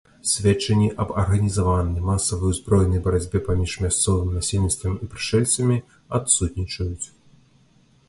Сведчанні аб арганізаванай, масавай узброенай барацьбе паміж мясцовым насельніцтвам і прышэльцамі адсутнічаюць.